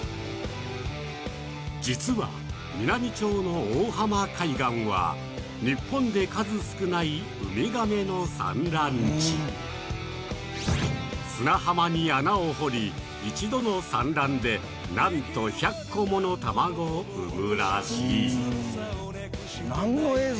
実は美波町の大浜海岸は日本で数少ないウミガメの産卵地砂浜に穴を掘り１度の産卵でなんと１００個もの卵を産むらしいなんの映像？